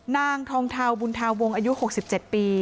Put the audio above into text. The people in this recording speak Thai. นางทองเทาบุญธาวงอายุ๖๗ปี